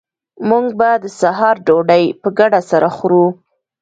موږ به د سهار ډوډۍ په ګډه سره خورو